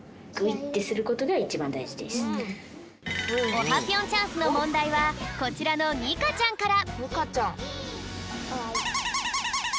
オハぴょんチャンスのもんだいはこちらのにかちゃんから。